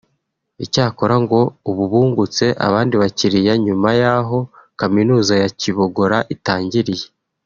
Icyakora ngo ubu bungutse abandi bakiriya nyuma yaho kaminuza ya Kibogora itangiriye